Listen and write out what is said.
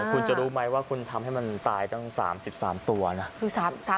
คุณจะรู้ไหมว่าคุณทำให้มันตายตั้ง๓๓ตัวนะ